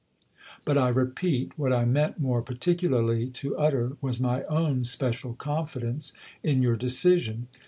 But, I repeat, what I meant more particularly to utter was my own special confidence in your decision.